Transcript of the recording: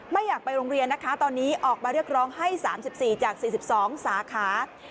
ไม่อยากไปโรงเรียนนะคะตอนนี้ออกมาเรียกร้องให้๓๔จาก๔๒สาขา